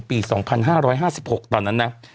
ปี๒๕๕๖ตอนนั้นนะ